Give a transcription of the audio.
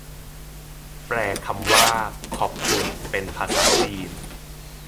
แปลคำว่า ขอบคุณ เป็นภาษาจีน